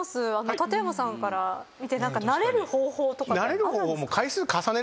館山さんから見て慣れる方法とかあるんですか？